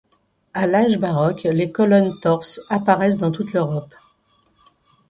À l'âge baroque, les colonnes torses, apparaissent dans toute l'Europe.